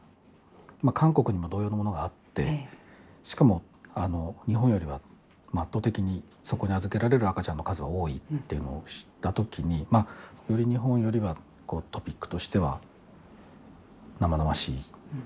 韓国にも同様のものがあってしかも日本よりは圧倒的にそこに預けられる赤ちゃんの数が多いというのを知ったときにより日本よりはトピックとしては生々しい部分もあって。